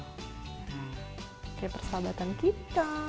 oke persahabatan kita